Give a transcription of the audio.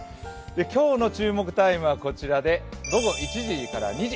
今日の注目タイムはこちらで午後１時から２時。